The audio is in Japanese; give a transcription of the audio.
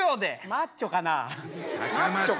マッチョかな？